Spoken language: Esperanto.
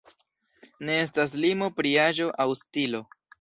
Ne estas limo pri aĝo aŭ stilo.